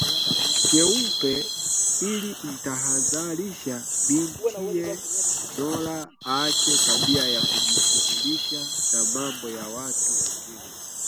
Cheupe ili kumtahadharisha bintiye Nora aache tabia ya kujishughulisha na mambo ya watu wengine